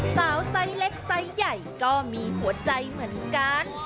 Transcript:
สาวไซส์เล็กใหญ่ก็มีหัวใจเหมือนกัน